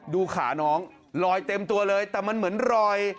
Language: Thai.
ดูขาน้องลอยเต็มตัวเลยแต่มันเหมือนรอย